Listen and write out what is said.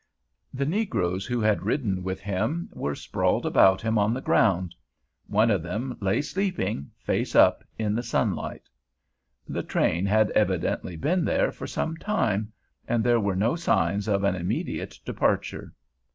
The negroes who had ridden with him were sprawled about him on the ground; one of them lay sleeping, face up, in the sunlight. The train had evidently been there for some time, and there were no signs of an immediate departure.